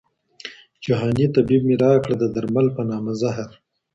جهاني طبیب مي راکړه د درمل په نامه زهر